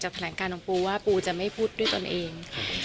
แถลงการของปูว่าปูจะไม่พูดด้วยตนเอง